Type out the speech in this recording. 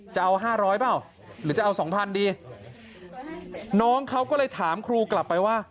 จะเอา๕๐๐เปล่าหรือจะเอาสองพันดีน้องเขาก็เลยถามครูกลับไปว่า